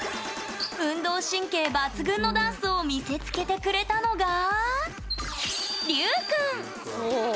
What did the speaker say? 運動神経抜群のダンスを見せつけてくれたのが龍君！